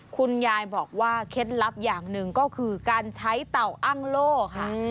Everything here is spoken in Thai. คุณยายบอกว่าเคล็ดลับอย่างหนึ่งก็คือการใช้เต่าอ้างโล่ค่ะ